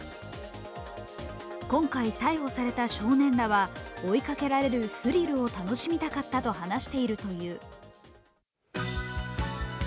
今回逮捕された少年らは追いかけられるスリルを楽しみたかったと話しているという。